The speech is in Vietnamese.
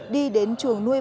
đi đến trường nuôi bò